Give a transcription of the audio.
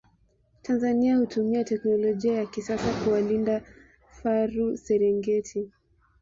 Tanzania hutumia teknolojia ya kisasa kuwalinda faru Serengeti